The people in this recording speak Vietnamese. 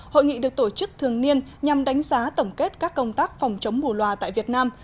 hội nghị được tổ chức thường niên nhằm đánh giá tổng kết các công tác phòng chống bù loà tại việt nam